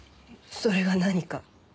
それが何か？